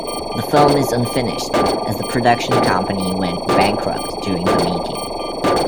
The film is unfinished as the production company went bankrupt during the making.